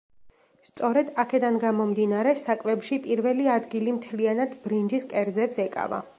სწორედ აქედან გამომდინარე, საკვებში პირველი ადგილი მთლიანად ბრინჯის კერძებს ეკავა.